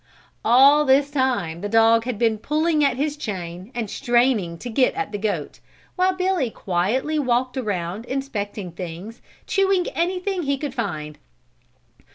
All this time the dog had been pulling at his chain and straining to get at the goat, while Billy quietly walked around inspecting things, chewing anything he could find.